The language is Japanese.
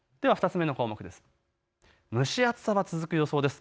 ２つ目の項目です。